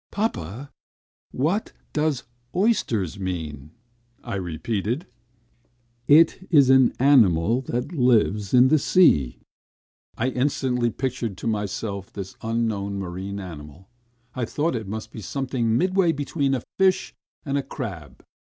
"Papa, what does 'oysters' mean?" I repeated. "It is an animal ... that lives in the sea." I instantly pictured to myself this unknown marine animal. ... I thought it must be something midway between a fish and a crab.